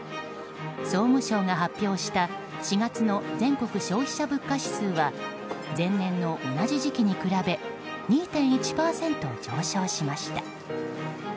総務省が発表した４月の全国消費者物価指数は前年の同じ時期に比べ２．１％上昇しました。